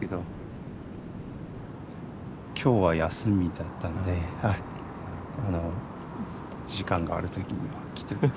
今日は休みだったんで時間がある時には来てます。